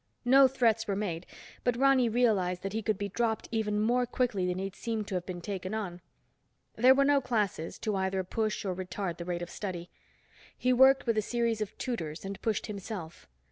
No threats were made, but Ronny realized that he could be dropped even more quickly than he'd seemed to have been taken on. There were no classes, to either push or retard the rate of study. He worked with a series of tutors, and pushed himself.